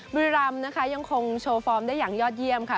บุรีรำนะคะยังคงโชว์ฟอร์มได้อย่างยอดเยี่ยมค่ะ